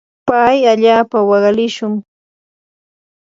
pay allaapa waqalishun.